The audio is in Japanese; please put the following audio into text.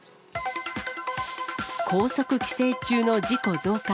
高速規制中の事故増加。